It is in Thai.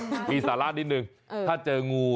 มีสาระนิดนึงถ้าเจองู